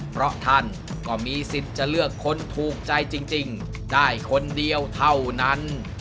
เพราะท่านก็มีสิทธิ์จะเลือกคนถูกใจจริงได้คนเดียวเท่านั้น